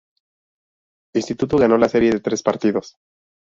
Instituto ganó la serie de tres partidos.